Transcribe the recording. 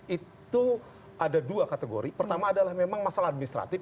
itu ada dua kategori pertama adalah memang masalah administratif